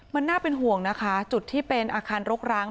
มันน่าเป็นห่วงนะคะจุดที่เป็นอาคารรกร้าง